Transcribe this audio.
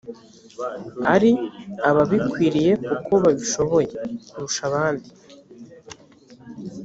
ari ababikwiriye koko babishoboye kurusha abandi